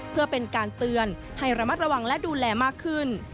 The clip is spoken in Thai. เพื่อเป็นการเตือนให้ระมัดระวังและดูแลมากขึ้น